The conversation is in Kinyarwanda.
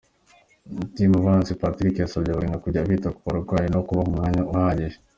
Ndimubanzi Patrick yasabye abaganga kujya bita ku barwayi no kubaha umwanya uhagije.